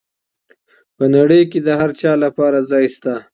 په نړۍ کي د هر چا لپاره ځای سته.